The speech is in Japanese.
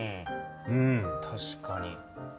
うん確かに。